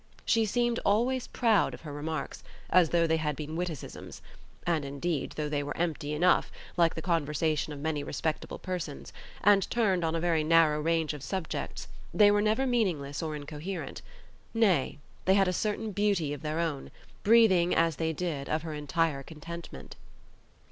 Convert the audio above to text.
She seemed always proud of her remarks, as though they had been witticisms: and, indeed, though they were empty enough, like the conversation of many respectable persons, and turned on a very narrow range of subjects, they were never meaningless or incoherent; nay, they had a certain beauty of their own, breathing, as they did, of her entire contentment.